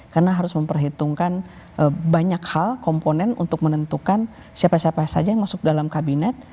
karena harus memperhitungkan banyak hal komponen untuk menentukan siapa siapa saja yang masuk dalam kabinet